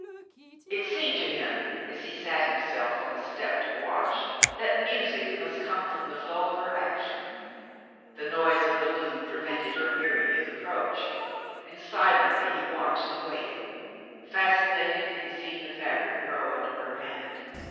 It seemed to him as he sat himself on the step to watch, that music must come from the flow of her action. The noise of the loom pre vented her hearing his approach, and silently he watched and waited, fascinated in seeing the fabric grow under her hand.